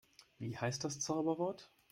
Wie heißt das Zauberwort?